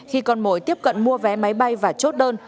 khi con mồi tiếp cận mua vé máy bay và chốt đơn